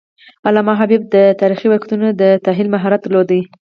علامه حبیبي د تاریخي واقعیتونو د تحلیل مهارت درلود.